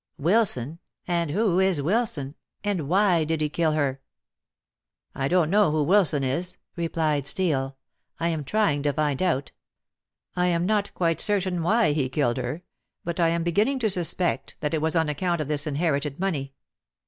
"Wilson. And who is Wilson, and why did he kill her?" "I don't know who Wilson is," replied Steel. "I am trying to find out. I am not quite certain why he killed her, but I am beginning to suspect that it was on account of this inherited money.